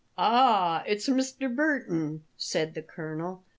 "Ah, it's Mr. Burton!" said the colonel.